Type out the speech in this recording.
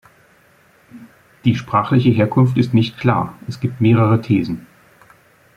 Die sprachliche Herkunft ist nicht klar; es gibt mehrere Thesen.